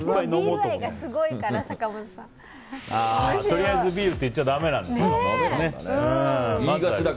とりあえずビールって言っちゃダメなんだ。